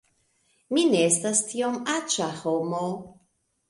Mi ne estas tiom aĉa homo